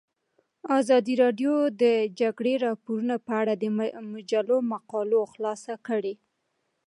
ازادي راډیو د د جګړې راپورونه په اړه د مجلو مقالو خلاصه کړې.